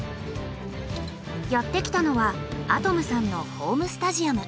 やって来たのは亜土夢さんのホームスタジアム。